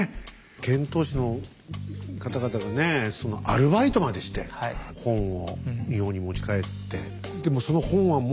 遣唐使の方々がねアルバイトまでして本を日本に持ち帰って。